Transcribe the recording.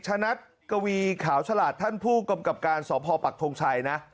ชนะกวีขาวฉลาดท่านผู้กำกับการสพปักทงชัยนะ